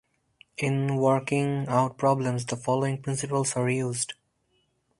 In working out problems, the following principles are used.